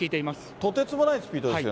とてつもないスピードですよね。